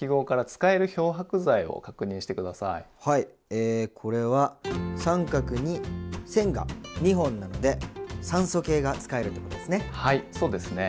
えっこれは△に線が２本なので酸素系が使えるということですね。